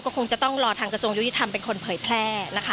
คงจะต้องรอทางกระทรวงยุติธรรมเป็นคนเผยแพร่นะคะ